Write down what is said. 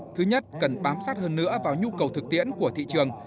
thứ nhất cần bám sát hơn nữa vào nhu cầu thực tiễn của thị trường